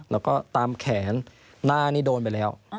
แล้วก็ตามแขนหน้านี่โดนไปแล้ว